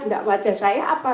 tidak wajah saya apa